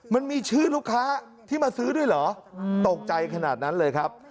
มันมีชื่อลูกค้าที่มาซื้อด้วยเหรอตกใจขนาดนั้นเลยครับ